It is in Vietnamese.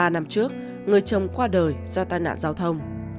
ba năm trước người chồng qua đời do tai nạn giao thông